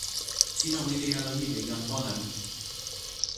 sina wile ala wile jan pona mi?